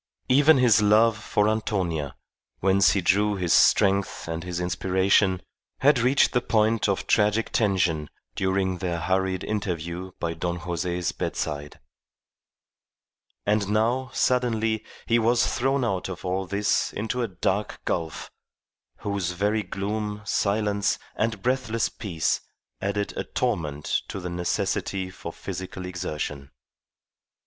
Even his love for Antonia, whence he drew his strength and his inspiration, had reached the point of tragic tension during their hurried interview by Don Jose's bedside. And now, suddenly, he was thrown out of all this into a dark gulf, whose very gloom, silence, and breathless peace added a torment to the necessity for physical exertion.